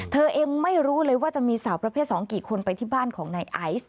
เธอเองไม่รู้เลยว่าจะมีสาวประเภท๒กี่คนไปที่บ้านของนายไอซ์